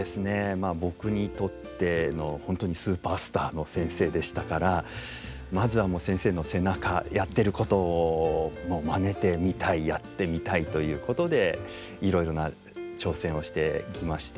まあ僕にとっての本当にスーパースターの先生でしたからまずは先生の背中やってることをまねてみたいやってみたいということでいろいろな挑戦をしてきました。